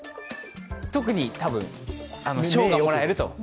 特に多分賞がもらえると。